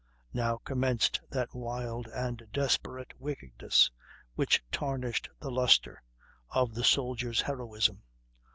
"Now commenced that wild and desperate wickedness which tarnished the lustre of the soldiers' heroism.